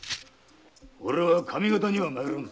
俺は上方には参らぬぞ。